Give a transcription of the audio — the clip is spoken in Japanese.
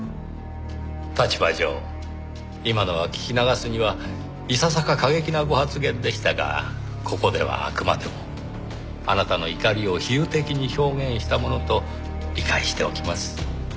立場上今のは聞き流すにはいささか過激なご発言でしたがここではあくまでもあなたの怒りを比喩的に表現したものと理解しておきます。